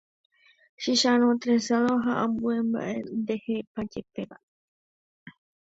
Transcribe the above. Chicharõ trenzado ha ambue mba'e ndehepajepéva